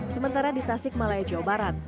sementara di tasik malaya jawa barat